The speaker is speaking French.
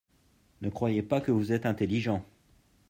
Ne croyez pas que vous êtes intelligent.